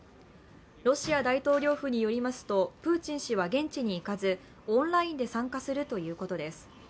ロシア大統領府によりますとプーチン氏は現地に行かずオンラインで参加するということです。